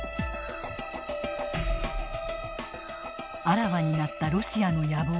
あらわになったロシアの野望。